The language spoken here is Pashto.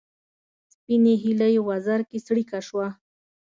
سپینې هیلۍ وزر کې څړیکه شوه